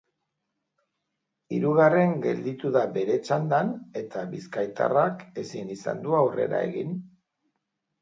Hirugarren gelditu da bere txandan, eta bizkaitarrak ezin izan du aurrera egin.